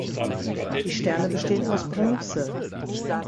Die Sterne bestehen aus Bronze.